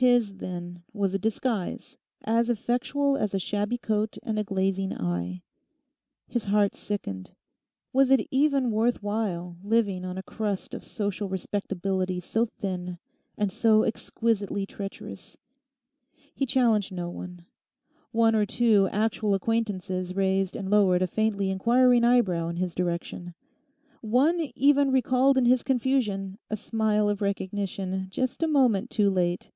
His, then, was a disguise as effectual as a shabby coat and a glazing eye. His heart sickened. Was it even worth while living on a crust of social respectability so thin and so exquisitely treacherous? He challenged no one. One or two actual acquaintances raised and lowered a faintly inquiring eyebrow in his direction. One even recalled in his confusion a smile of recognition just a moment too late.